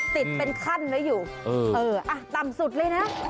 ติดเป็นขั้นไว้อยู่เอออ่ะต่ำสุดเลยนะ